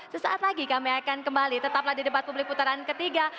sesaat lagi kami akan kembali tetaplah di debat publik putaran ketiga